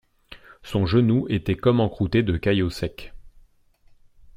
Son genou était comme encroûté de caillots secs.